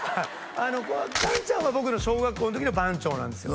かんちゃんは僕の小学校の時の番長なんですよ